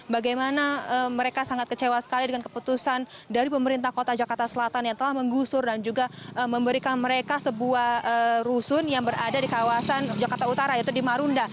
bagaimana mereka sangat kecewa sekali dengan keputusan dari pemerintah kota jakarta selatan yang telah menggusur dan juga memberikan mereka sebuah rusun yang berada di kawasan jakarta utara yaitu di marunda